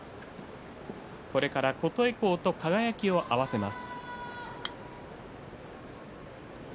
これから琴恵光と輝を合わせます。